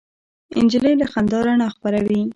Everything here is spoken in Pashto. نجلۍ له خندا رڼا خپروي.